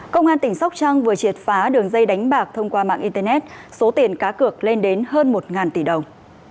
công an tỉnh sóc trăng vừa triệt phá đường dây đánh bạc thông qua mạng internet số tiền cá cược lên đến hơn một tỷ đồng